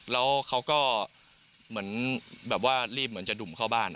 แล้วเขาก็เหมือนรีบจะดุ่มเข้าบ้าน